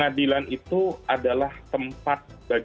pengadilan itu adalah tempat yang sangat penting